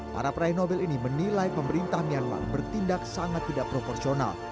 para peraih nobel ini menilai pemerintah myanmar bertindak sangat tidak proporsional